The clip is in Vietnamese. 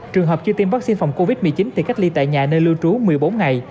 trường hợp chưa tiêm vaccine phòng covid một mươi chín thì cách ly tại nhà nơi lưu trú một mươi bốn ngày